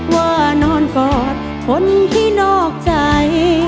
ว่านอนกอดคนที่นอกใจ